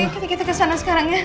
kita gitu kesana sekarang ya